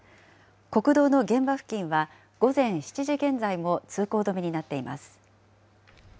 国道の現場付近は、午前７時現在も通行止めになっています。